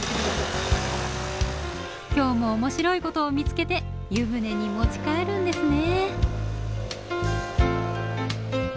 今日も面白いことを見つけて湯船に持ち帰るんですね